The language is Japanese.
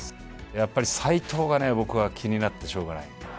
やっぱり齋藤がね、僕は気になってしょうがない。